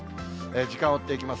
時間を追っていきます。